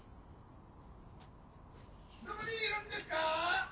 どこにいるんですか？